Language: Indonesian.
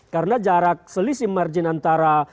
karena jarak selisih margin antara